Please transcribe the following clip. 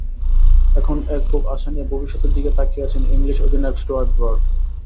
এখন একবুক আশা নিয়ে ভবিষ্যতের দিকে তাকিয়ে আছেন ইংলিশ অধিনায়ক স্টুয়ার্ট ব্রড।